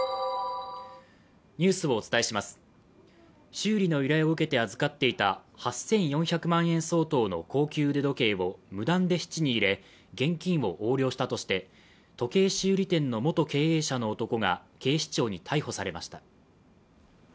修理の依頼を受けて預かっていた８４００万円相当の高級腕時計を無断で質に入れ、現金を横領したとして、時計修理店の元経営者の男が警視庁に逮捕されました。